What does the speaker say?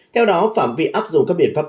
theo đó phạm vi áp dụng các biện pháp